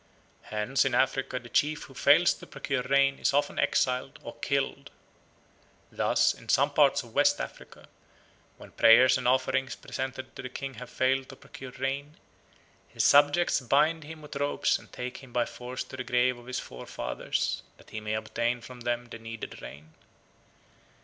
Hence in Africa the chief who fails to procure rain is often exiled or killed. Thus, in some parts of West Africa, when prayers and offerings presented to the king have failed to procure rain, his subjects bind him with ropes and take him by force to the grave of his forefathers that he may obtain from them the needed rain.